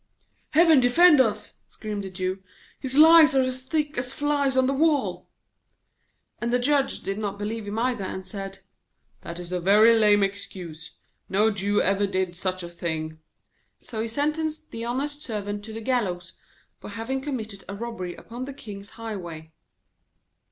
'Heaven defend us!' screamed the Jew, 'his lies are as thick as flies on the wall.' And the Judge did not believe him either, and said: 'That is a very lame excuse; no Jew ever did such a thing.' So he sentenced the honest Servant to the gallows for having committed a robbery upon the king's highway.